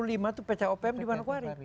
enam puluh lima itu pecah opm di manukwari